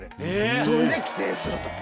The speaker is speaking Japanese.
それで寄生すると。